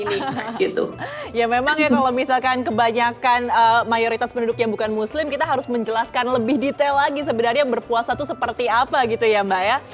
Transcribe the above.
ya memang ya kalau misalkan kebanyakan mayoritas penduduk yang bukan muslim kita harus menjelaskan lebih detail lagi sebenarnya berpuasa itu seperti apa gitu ya mbak ya